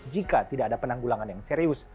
jika tidak ada penanggulangan yang serius